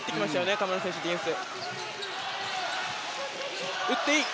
河村選手のディフェンス。